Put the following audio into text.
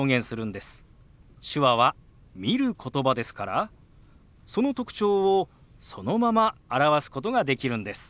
手話は見る言葉ですからその特徴をそのまま表すことができるんです。